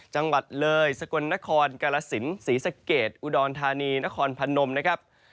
จังหวัดเลยสกลนครกาลสินศรีสะเกดอุดรธานีนครพนมนะครับ